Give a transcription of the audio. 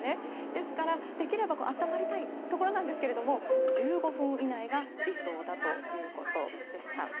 ですから、できれば温まりたいところなんですが１５分以内が理想だということでした。